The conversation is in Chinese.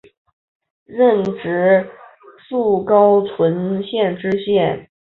任直隶高淳县知县。